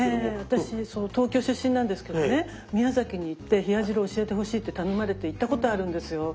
私そう東京出身なんですけどね宮崎に行って冷や汁を教えてほしいって頼まれて行ったことあるんですよ。